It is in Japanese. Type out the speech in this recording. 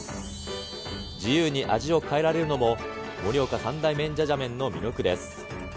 自由に味を変えられるのも、盛岡三大麺じゃじゃ麺の魅力です。